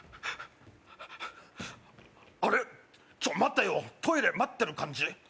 あれちょ待てよトイレ待ってる感じ？